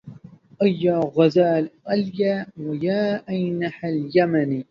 أيا غرة العليا ويا عينها اليمنى